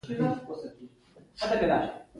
زما نوم افغانستان دی